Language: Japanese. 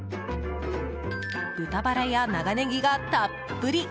豚バラや長ネギがたっぷり。